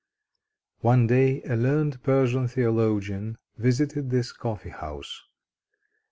One day a learned Persian theologian visited this coffee house.